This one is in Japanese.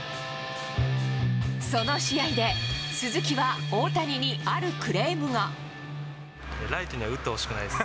その試合で、鈴木は大谷にあるクライトには打ってほしくないです。